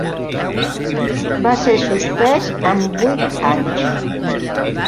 Va ser suspès amb vuit anys.